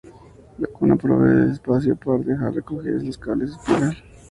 La "cuna" provee del espacio par dejar recogidos los cables en espiral.